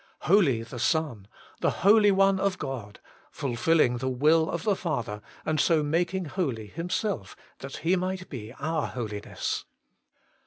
HOLY ! THE SON ; the Holy One of God, fulfilling the will of the Father, and so making holy Himself that He might be our holiness.